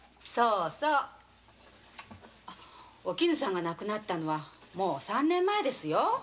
そうおきぬさんが亡くなったのはもう三年前ですよ。